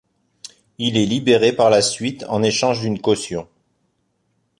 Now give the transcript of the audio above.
Il est libéré par la suite en échange d'une caution.